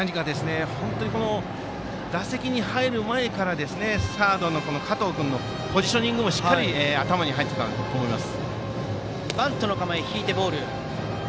打席に入る前から愛工大名電のサードの加藤君のポジショニングもしっかり頭に入っていたと思います。